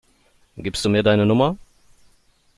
Gibst du mir deine Nummer?